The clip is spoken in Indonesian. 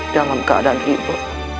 dalam keadaan ribu